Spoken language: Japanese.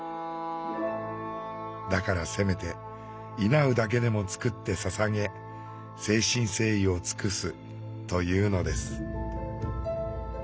だからせめてイナウだけでも作って捧げ誠心誠意を尽くすというのです。